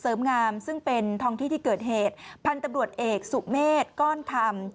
เสิร์ฟงามซึ่งเป็นทองที่ที่เกิดเหตุพันธบรวจเอกสุเมษก้อนธรรม